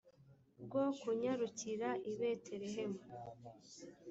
rwo kunyarukira i betelehemu